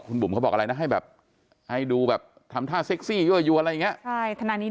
คุณบุ๋มเขาบอกอะไรนะให้ดูแบบทำท่าเซ็กซี่อยู่อะไรอย่างนี้